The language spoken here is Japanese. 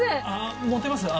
持てます？